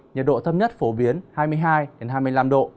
nhiệt độ thấp nhất phổ biến hai mươi hai hai mươi năm độ